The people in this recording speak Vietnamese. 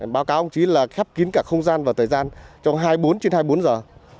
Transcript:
báo cáo ông chí là khép kín cả không gian và thời gian trong hai mươi bốn trên hai mươi bốn giờ